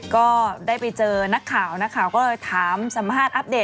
ก็ได้ไปเจอนักข่าวก็ถามสัมพันธ์อัพเดตนิดนึง